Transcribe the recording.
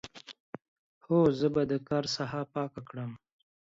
هو، زه به د کار ساحه پاک کړم.